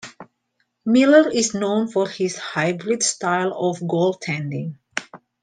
Miller is known for his hybrid style of goaltending.